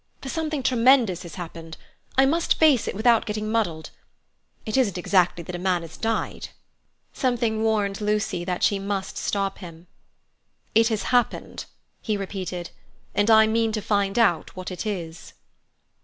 "For something tremendous has happened; I must face it without getting muddled. It isn't exactly that a man has died." Something warned Lucy that she must stop him. "It has happened," he repeated, "and I mean to find out what it is."